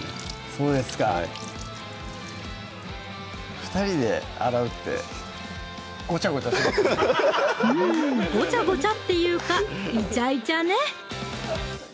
そうですか２人で洗うってうんごちゃごちゃっていうかいちゃいちゃね！